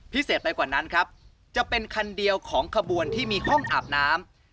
พิเศษไปกว่านั้นครับจะเป็นคันเดียวของขบวนที่มีห้องอาบน้ำ